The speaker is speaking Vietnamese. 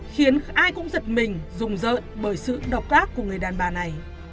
khiến ai cũng giật mình rùng rợn bởi sự độc gác của người đàn bà này